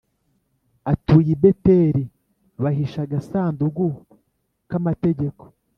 Atuye i Beteri bahisha agasanduku ka mategeko